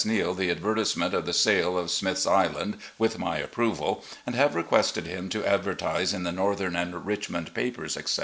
Neale the advertisement of the sale of Smith's Island, with my approval, and have requested him to advertise in the Northern and Richmond papers, etc.